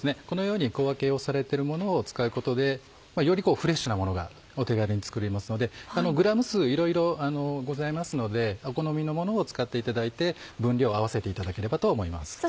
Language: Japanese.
このように小分けをされてるものを使うことでよりフレッシュなものがお手軽に作れますのでグラム数いろいろございますのでお好みのものを使っていただいて分量を合わせていただければと思います。